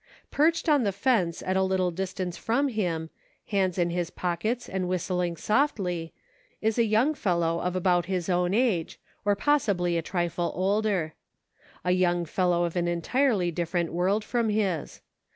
Perched on the fence at a little distance from him, hands in his pockets and whistling softly, is a young fellow of about his own age, or possibly a trifle older. A young fellow of an entirely differ ent world from his.